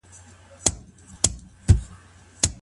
آيا طلاق يوازي په صحيحه نکاح کي سته؟